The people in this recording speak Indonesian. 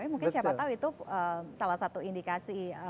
mungkin siapa tahu itu salah satu indikasi